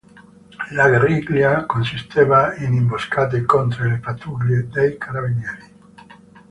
La guerriglia consisteva in imboscate contro le pattuglie dei Carabinieri.